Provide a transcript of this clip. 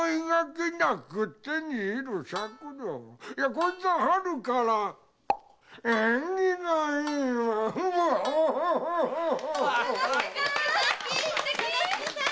「こいつは春から縁起がいいわい」与の介さん！